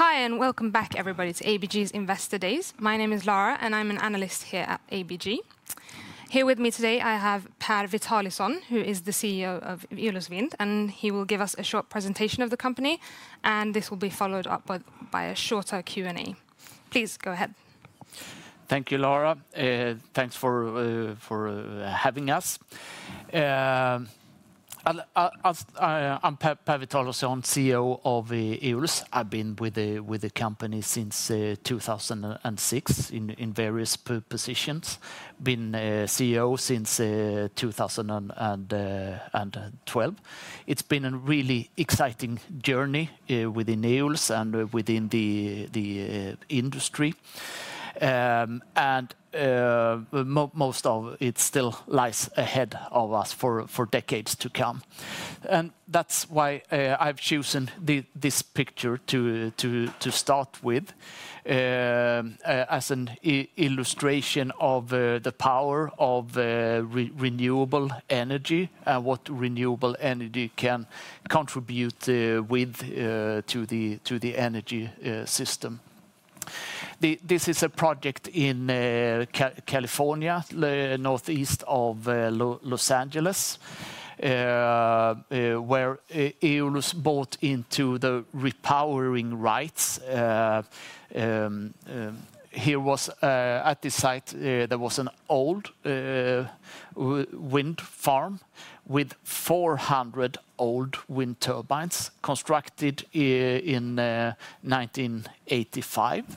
Hi, and welcome back, everybody, to ABG's Investor Days. My name is Lara, and I'm an analyst here at ABG. Here with me today, I have Per Witalisson, who is the CEO of Eolus Vind, and he will give us a short presentation of the company, and this will be followed up by a shorter Q&A. Please go ahead. Thank you, Lara. Thanks for having us. I'm Per Witalisson, CEO of Eolus. I've been with the company since 2006 in various positions. I've been CEO since 2012. It's been a really exciting journey within Eolus and within the industry. Most of it still lies ahead of us for decades to come. That's why I've chosen this picture to start with, as an illustration of the power of renewable energy and what renewable energy can contribute to the energy system. This is a project in California, northeast of Los Angeles, where Eolus bought into the repowering rights. Here at this site, there was an old wind farm with 400 old wind turbines constructed in 1985.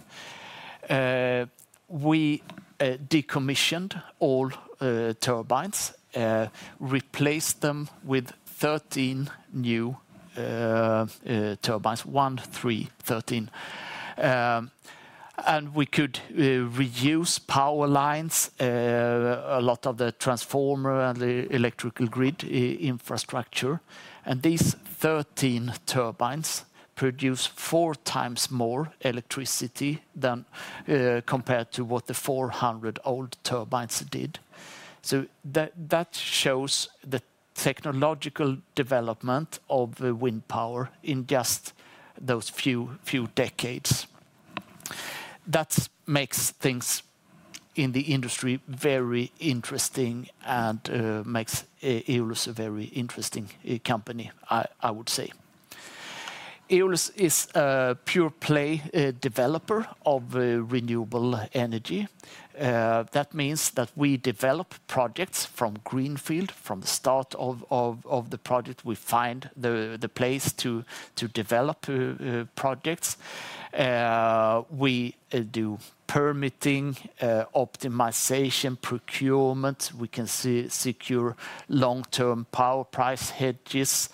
We decommissioned all turbines, replaced them with 13 new turbines, one, three, 13. We could reuse power lines, a lot of the transformer and the electrical grid infrastructure. These 13 turbines produce four times more electricity than compared to what the 400 old turbines did. So that shows the technological development of wind power in just those few decades. That makes things in the industry very interesting and makes Eolus a very interesting company, I would say. Eolus is a pure-play developer of renewable energy. That means that we develop projects from greenfield, from the start of the project. We find the place to develop projects. We do permitting, optimization, procurement. We can secure long-term power price hedges.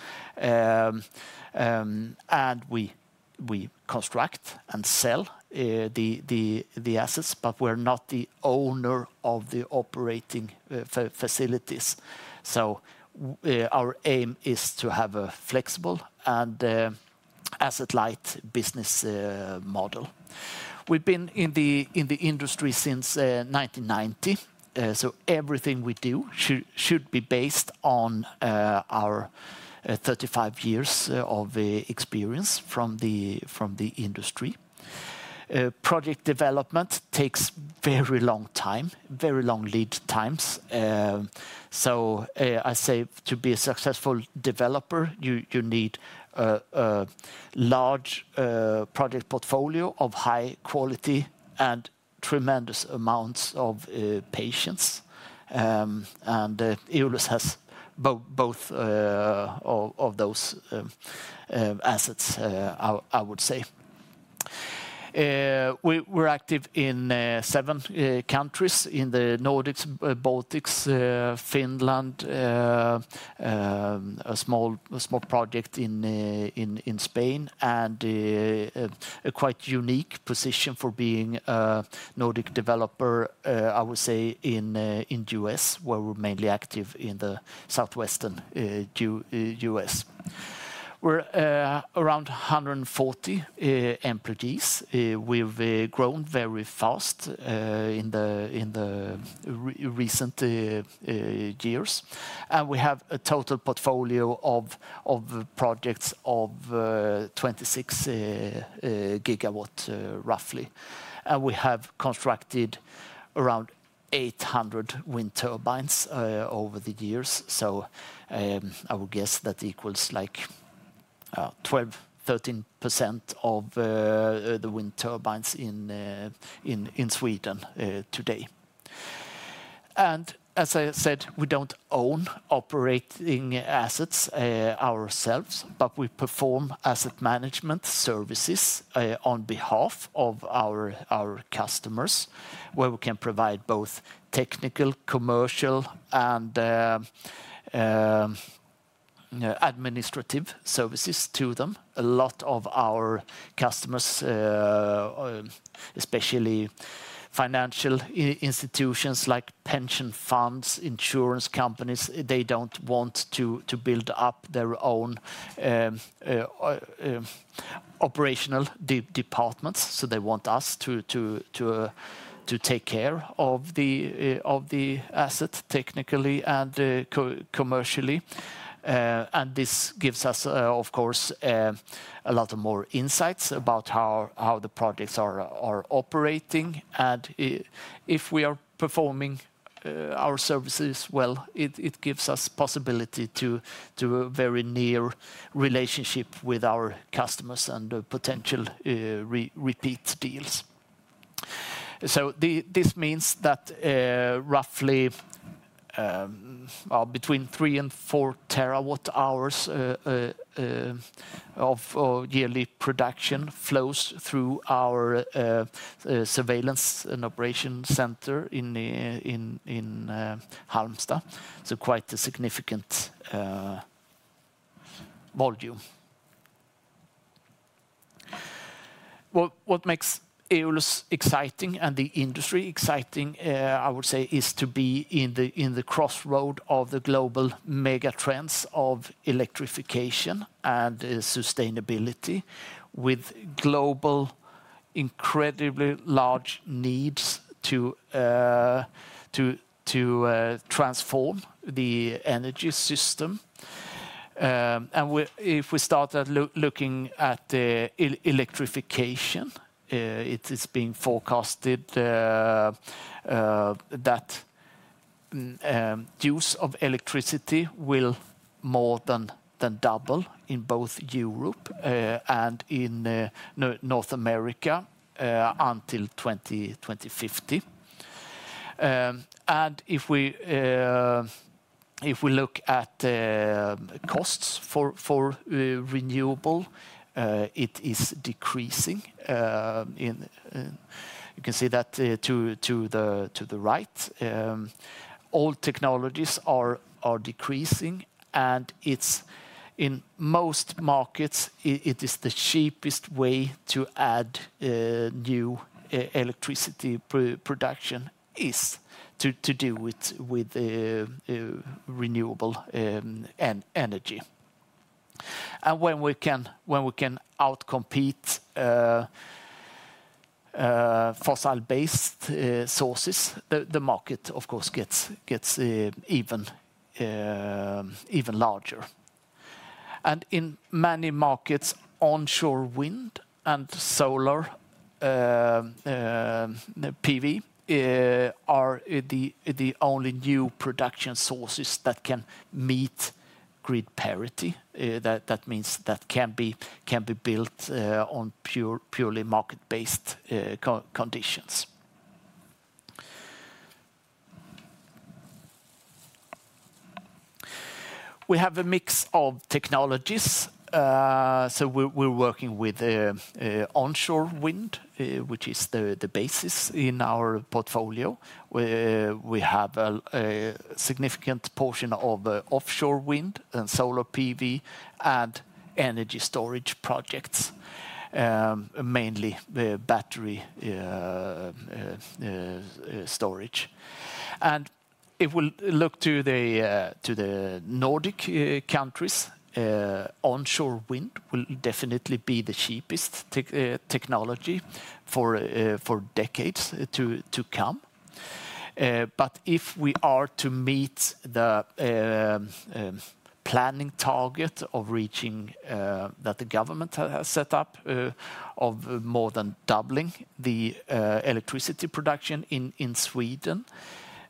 And we construct and sell the assets, but we're not the owner of the operating facilities. So our aim is to have a flexible and asset-light business model. We've been in the industry since 1990, so everything we do should be based on our 35 years of experience from the industry. Project development takes a very long time, very long lead times. So I say to be a successful developer, you need a large project portfolio of high quality and tremendous amounts of patience. And Eolus has both of those assets, I would say. We're active in seven countries: in the Nordics, Baltics, Finland, a small project in Spain, and a quite unique position for being a Nordic developer, I would say, in the US, where we're mainly active in the southwestern US. We're around 140 employees. We've grown very fast in the recent years. And we have a total portfolio of projects of 26 gigawatts, roughly. And we have constructed around 800 wind turbines over the years. So I would guess that equals like 12%, 13% of the wind turbines in Sweden today. And as I said, we don't own operating assets ourselves, but we perform asset management services on behalf of our customers, where we can provide both technical, commercial, and administrative services to them. A lot of our customers, especially financial institutions like pension funds, insurance companies, they don't want to build up their own operational departments. So they want us to take care of the asset technically and commercially. And this gives us, of course, a lot more insights about how the projects are operating. And if we are performing our services well, it gives us the possibility to have a very near relationship with our customers and potential repeat deals. So this means that roughly between three and four terawatt-hours of yearly production flows through our surveillance and operation center in Halmstad. So quite a significant volume. What makes Eolus exciting and the industry exciting, I would say, is to be in the crossroad of the global mega trends of electrification and sustainability, with global incredibly large needs to transform the energy system, and if we start looking at electrification, it is being forecasted that the use of electricity will more than double in both Europe and in North America until 2050, and if we look at costs for renewable, it is decreasing. You can see that to the right. Old technologies are decreasing, and in most markets, it is the cheapest way to add new electricity production is to do with renewable energy, and when we can outcompete fossil-based sources, the market, of course, gets even larger, and in many markets, onshore wind and solar PV are the only new production sources that can meet grid parity. That means that can be built on purely market-based conditions. We have a mix of technologies. So we're working with onshore wind, which is the basis in our portfolio. We have a significant portion of offshore wind and solar PV and energy storage projects, mainly battery storage. And if we look to the Nordic countries, onshore wind will definitely be the cheapest technology for decades to come. But if we are to meet the planning target of reaching that the government has set up of more than doubling the electricity production in Sweden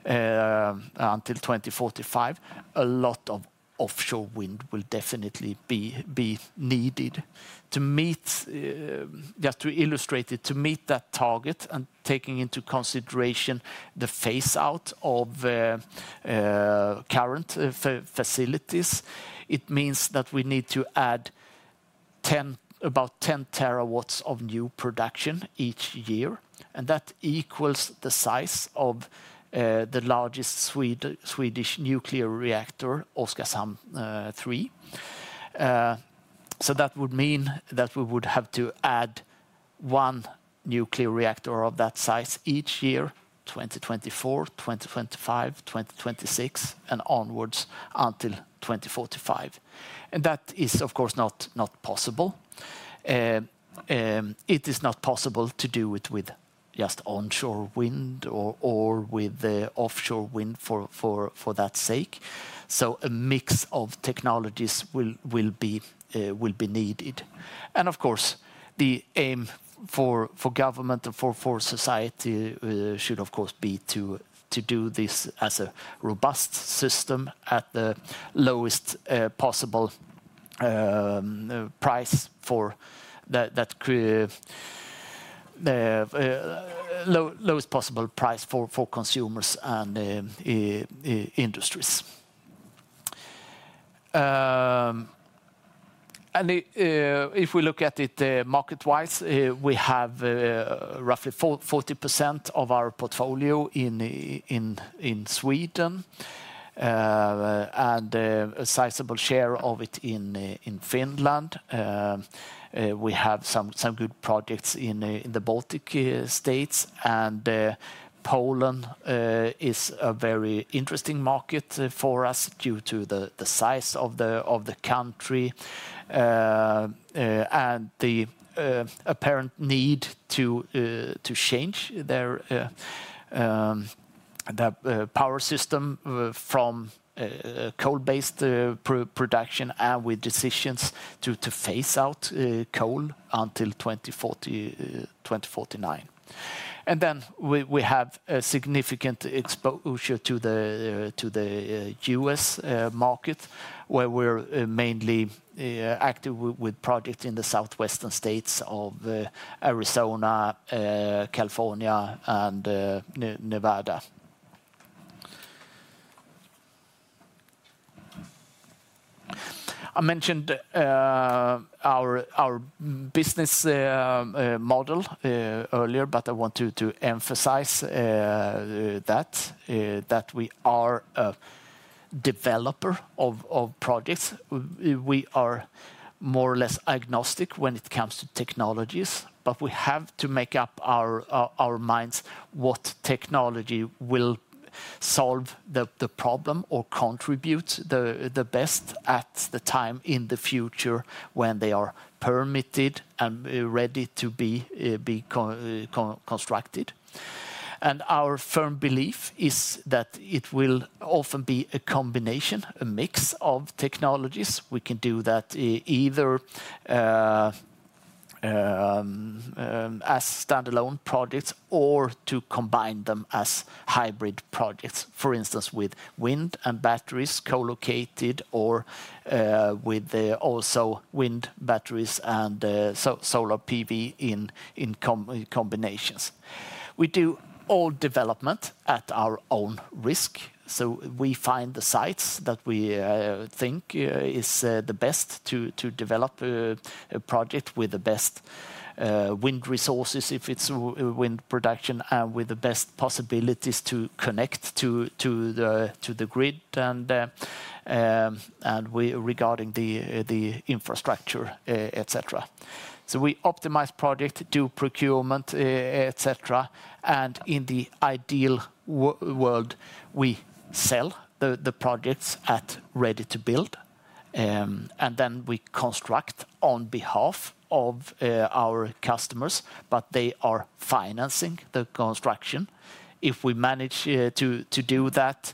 until 2045, a lot of offshore wind will definitely be needed. To meet, just to illustrate it, to meet that target and taking into consideration the phase-out of current facilities, it means that we need to add about 10 terawatts of new production each year. That equals the size of the largest Swedish nuclear reactor, Oskarshamn 3. So that would mean that we would have to add one nuclear reactor of that size each year, 2024, 2025, 2026, and onwards until 2045. That is, of course, not possible. It is not possible to do it with just onshore wind or with offshore wind for that sake. A mix of technologies will be needed. Of course, the aim for government and for society should, of course, be to do this as a robust system at the lowest possible price for that lowest possible price for consumers and industries. If we look at it market-wise, we have roughly 40% of our portfolio in Sweden and a sizable share of it in Finland. We have some good projects in the Baltic states. Poland is a very interesting market for us due to the size of the country and the apparent need to change their power system from coal-based production and with decisions to phase out coal until 2049. We have a significant exposure to the U.S. market, where we're mainly active with projects in the southwestern states of Arizona, California, and Nevada. I mentioned our business model earlier, but I want to emphasize that we are a developer of projects. We are more or less agnostic when it comes to technologies, but we have to make up our minds what technology will solve the problem or contribute the best at the time in the future when they are permitted and ready to be constructed. Our firm belief is that it will often be a combination, a mix of technologies. We can do that either as standalone projects or to combine them as hybrid projects, for instance, with wind and batteries co-located or with also wind batteries and solar PV in combinations. We do all development at our own risk. We find the sites that we think are the best to develop a project with the best wind resources if it's wind production and with the best possibilities to connect to the grid and regarding the infrastructure, etc. We optimize projects, do procurement, etc. In the ideal world, we sell the projects at ready to build. Then we construct on behalf of our customers, but they are financing the construction. If we manage to do that,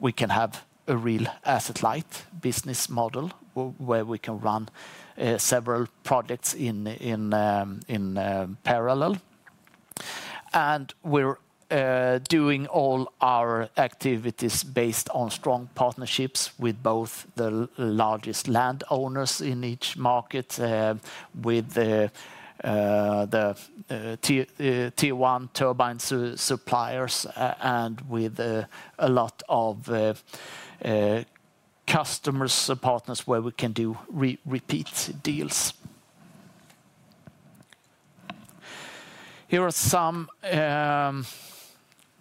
we can have a real asset-light business model where we can run several projects in parallel. We're doing all our activities based on strong partnerships with both the largest landowners in each market, with the Tier 1 turbine suppliers, and with a lot of customers and partners where we can do repeat deals. Here are some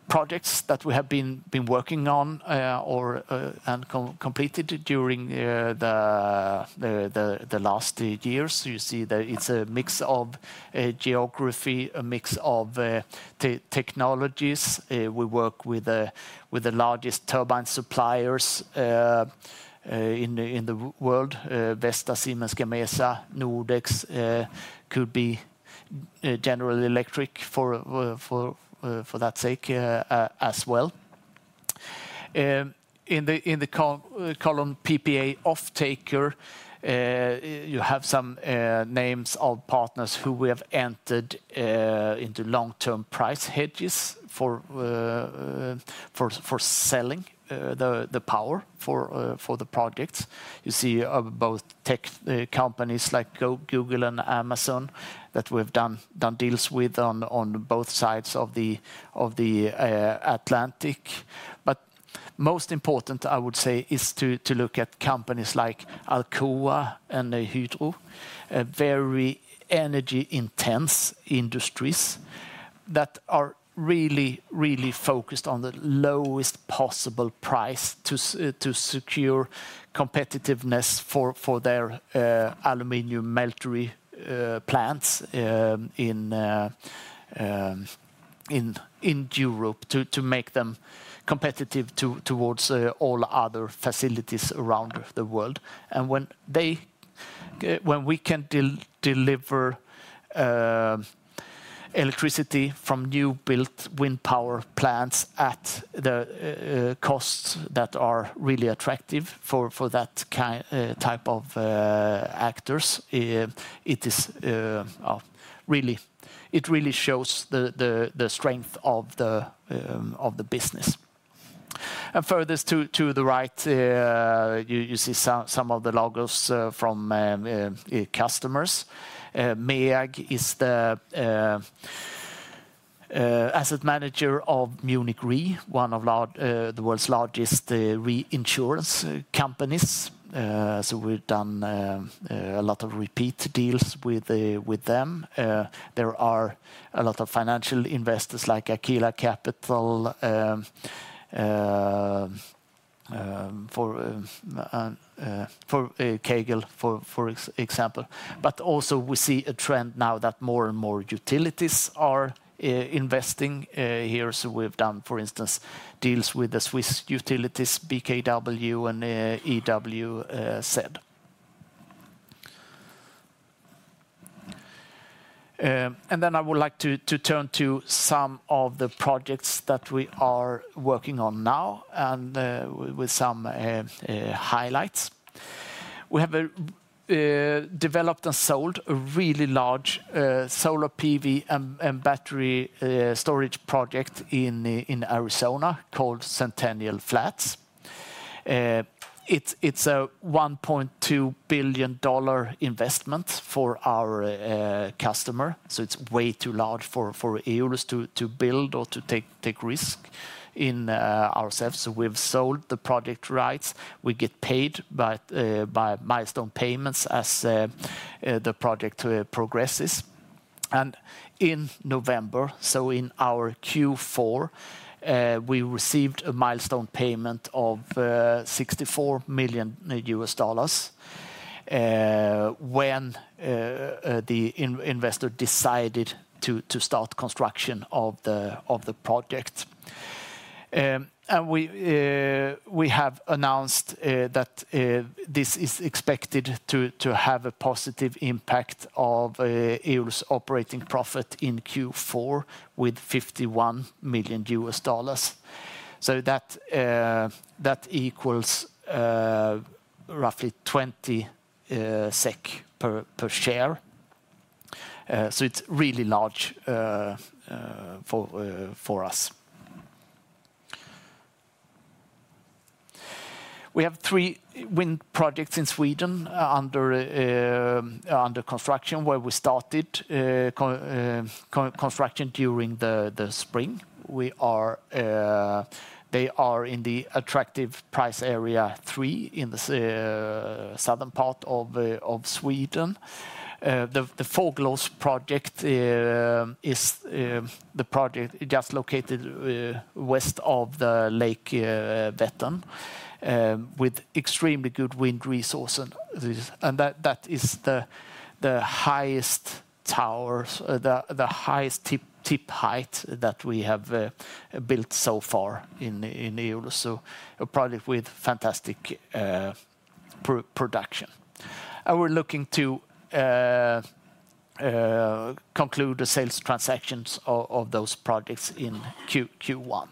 projects that we have been working on and completed during the last year. You see that it's a mix of geography, a mix of technologies. We work with the largest turbine suppliers in the world: Vestas, Siemens Gamesa, Nordex, could be General Electric for that sake as well. In the column PPA off-taker, you have some names of partners who we have entered into long-term price hedges for selling the power for the projects. You see both tech companies like Google and Amazon that we have done deals with on both sides of the Atlantic. But most important, I would say, is to look at companies like Alcoa and Hydro, very energy-intense industries that are really, really focused on the lowest possible price to secure competitiveness for their aluminum melting plants in Europe to make them competitive towards all other facilities around the world. And when we can deliver electricity from new built wind power plants at the costs that are really attractive for that type of actors, it really shows the strength of the business. And further to the right, you see some of the logos from customers. MEAG is the asset manager of Munich Re, one of the world's largest reinsurance companies. So we've done a lot of repeat deals with them. There are a lot of financial investors like Aquila Capital for KGAL, for example. But also we see a trend now that more and more utilities are investing here. So we've done, for instance, deals with the Swiss utilities, BKW and EWZ. And then I would like to turn to some of the projects that we are working on now and with some highlights. We have developed and sold a really large solar PV and battery storage project in Arizona called Centennial Flats. It's a $1.2 billion investment for our customer. So it's way too large for Eolus to build or to take risk in ourselves. So we've sold the project rights. We get paid by milestone payments as the project progresses. And in November, so in our Q4, we received a milestone payment of $64 million when the investor decided to start construction of the project. And we have announced that this is expected to have a positive impact on Eolus' operating profit in Q4 with $51 million. So that equals roughly SEK 20 per share. So it's really large for us. We have three wind projects in Sweden under construction where we started construction during the spring. They are in the attractive price area three in the southern part of Sweden. The Fågelås project is the project just located west of the Lake Vättern with extremely good wind resources. And that is the highest tower, the highest tip height that we have built so far in Eolus. So a project with fantastic production. And we're looking to conclude the sales transactions of those projects in Q1.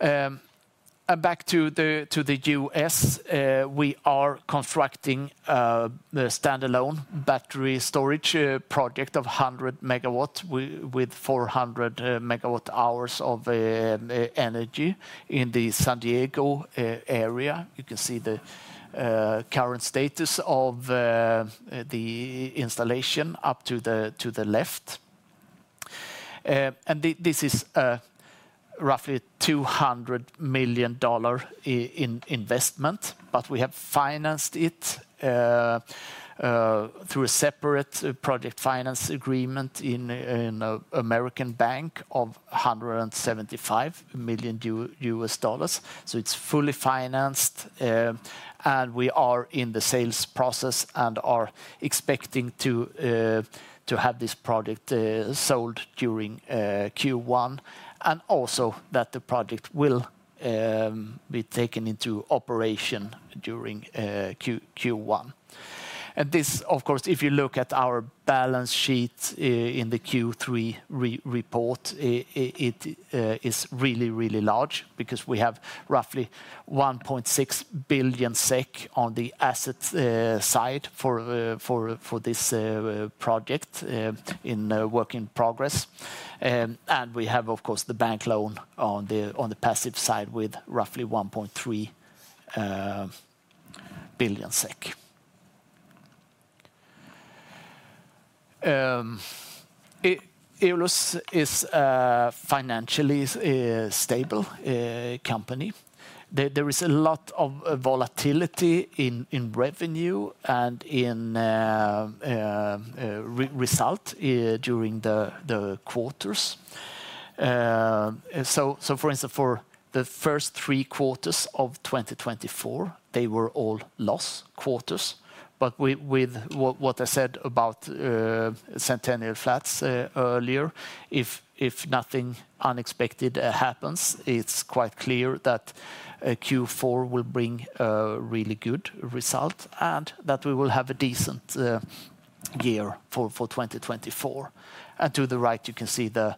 And back to the U.S., we are constructing a standalone battery storage project of 100 megawatts with 400 megawatt hours of energy in the San Diego area. You can see the current status of the installation up to the left. This is a roughly $200 million investment, but we have financed it through a separate project finance agreement in an American bank of $175 million. It's fully financed. We are in the sales process and are expecting to have this project sold during Q1 and also that the project will be taken into operation during Q1. This, of course, if you look at our balance sheet in the Q3 report, it is really, really large because we have roughly 1.6 billion SEK on the asset side for this project in work in progress. We have, of course, the bank loan on the passive side with roughly 1.3 billion SEK. Eolus is a financially stable company. There is a lot of volatility in revenue and in result during the quarters. For instance, for the first three quarters of 2024, they were all loss quarters. But with what I said about Centennial Flats earlier, if nothing unexpected happens, it's quite clear that Q4 will bring a really good result and that we will have a decent year for 2024. And to the right, you can see the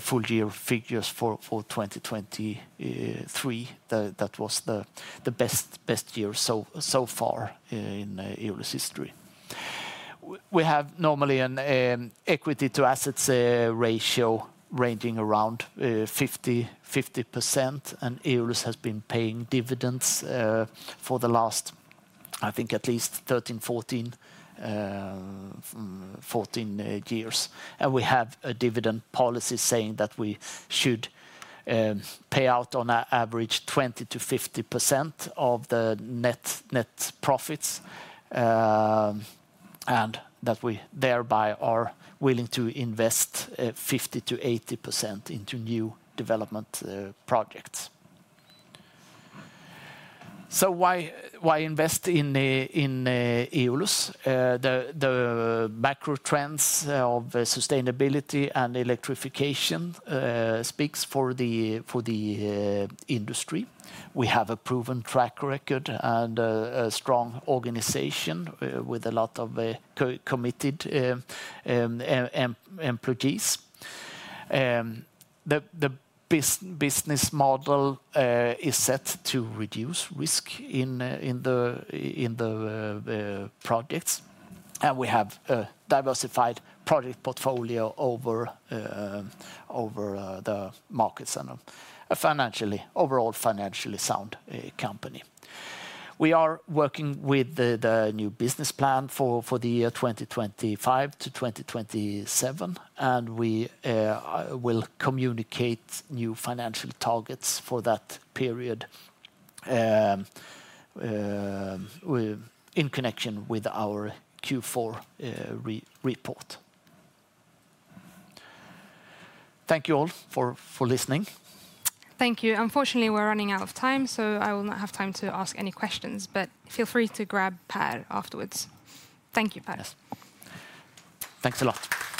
full year figures for 2023. That was the best year so far in Eolus' history. We have normally an equity to assets ratio ranging around 50%, and Eolus has been paying dividends for the last, I think, at least 13, 14 years. And we have a dividend policy saying that we should pay out on average 20%-50% of the net profits and that we thereby are willing to invest 50%-80% into new development projects. So why invest in Eolus? The macro trends of sustainability and electrification speak for the industry. We have a proven track record and a strong organization with a lot of committed employees. The business model is set to reduce risk in the projects, and we have a diversified project portfolio over the markets and a financially, overall financially sound company. We are working with the new business plan for the year 2025 to 2027, and we will communicate new financial targets for that period in connection with our Q4 report. Thank you all for listening. Thank you. Unfortunately, we're running out of time, so I will not have time to ask any questions, but feel free to grab Per afterwards. Thank you, Per. Thanks a lot.